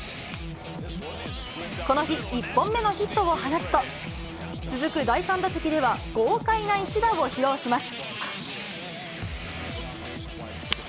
この日１本目のヒットを放つと、続く第３打席では、豪快な一打を披露します。